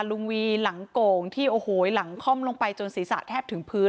วีหลังโก่งที่โอ้โหหลังค่อมลงไปจนศีรษะแทบถึงพื้น